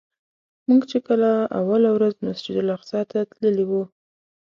موږ چې کله اوله ورځ مسجدالاقصی ته تللي وو.